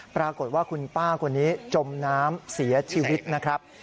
ปรากฏว่าคุณป้าคนนี้จมน้ำเสียชีวิตนะครับ